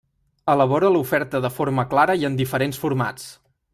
Elabora l'oferta de forma clara i en diferents formats.